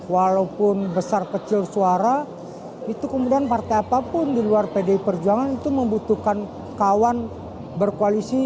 walaupun besar kecil suara itu kemudian partai apapun di luar pdi perjuangan itu membutuhkan kawan berkoalisi